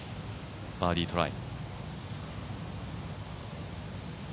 バーディートライ。